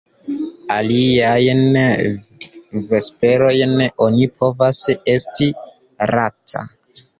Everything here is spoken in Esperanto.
Aliajn vesperojn oni povas esti laca.